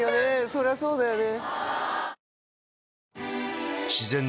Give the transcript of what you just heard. そりゃそうだよね。